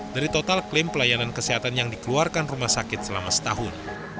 dari total klaim pelayanan kesehatan yang dikeluarkan rumah sakit selama setahun